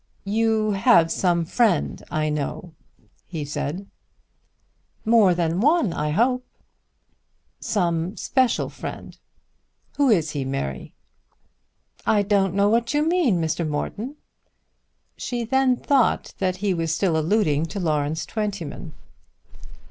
"You have some friend, I know," he said. "More than one I hope." "Some special friend. Who is he, Mary?" "I don't know what you mean, Mr. Morton." She then thought that he was still alluding to Lawrence Twentyman.